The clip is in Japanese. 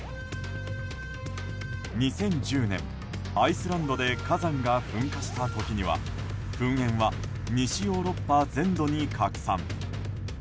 ２０１０年、アイスランドで火山が噴火した時には噴煙は西ヨーロッパ全土に拡散。